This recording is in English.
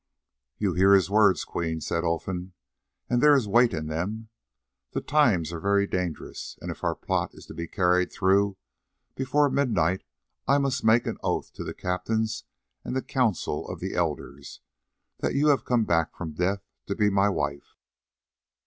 "You hear his words, Queen," said Olfan, "and there is weight in them. The times are very dangerous, and if our plot is to be carried through, before midnight I must make oath to the captains and the Council of the Elders that you have come back from death to be my wife."